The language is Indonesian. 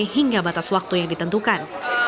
hingga batas waktu yang ditentukan